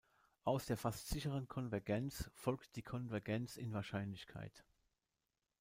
Aus der fast sicheren Konvergenz folgt die Konvergenz in Wahrscheinlichkeit.